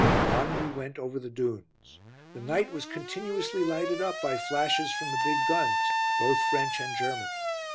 On we went over the dunes; the night was continuously lighted up by flashes from the big guns, both French and German.